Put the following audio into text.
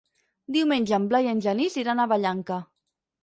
Diumenge en Blai i en Genís iran a Vallanca.